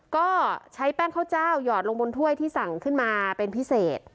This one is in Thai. ก็ใช้แป้งข้าวเจ้าหยอดลงบนถ้วยที่สั่งขึ้นมาเป็นพิเศษ